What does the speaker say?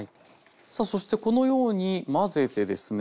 さあそしてこのように混ぜてですね